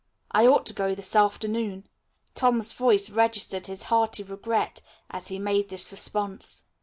"I ought to go this afternoon." Tom's voice registered his hearty regret as he made this response.